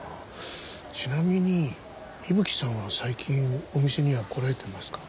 ちなみに伊吹さんは最近お店には来られてますか？